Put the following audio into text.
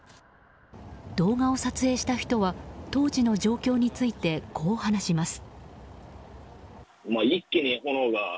動画を撮影した人は当時の状況についてこう話します。